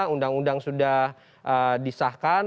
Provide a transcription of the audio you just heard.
undang undang sudah disahkan